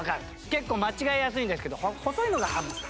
結構間違えやすいんですけど細いのがハムスター。